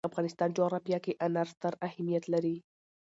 د افغانستان جغرافیه کې انار ستر اهمیت لري.